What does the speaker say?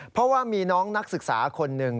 เพราะว่ามีน้องนักศึกษาคนหนึ่ง